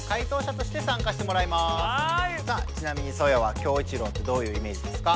さあちなみにソヨはキョウイチロウってどういうイメージですか？